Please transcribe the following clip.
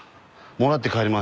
もらって帰ります。